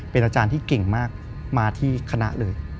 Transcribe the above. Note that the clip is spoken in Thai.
เป็นอาจารย์ที่เก่งมากมาที่คณะเลย